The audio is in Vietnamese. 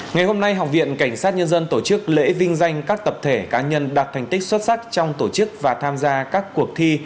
ngày hôm nay học viện cảnh sát nhân dân tổ chức lễ vinh danh các tập thể cá nhân đạt thành tích xuất sắc trong tổ chức và tham gia các cuộc thi